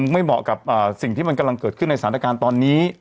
เหมาะกับสิ่งที่มันกำลังเกิดขึ้นในสถานการณ์ตอนนี้